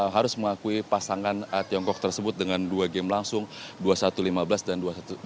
harus mengakui pasangan tiongkok tersebut dengan dua game langsung dua puluh satu lima belas dan dua puluh satu enam belas